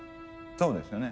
そうですよね。